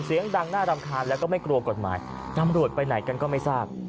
เสียงดังน่ารำคาญแล้วก็ไม่กลัวกฎหมายตำรวจไปไหนกันก็ไม่ทราบ